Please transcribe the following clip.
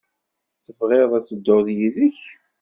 Tebɣiḍ ad dduɣ yid-k?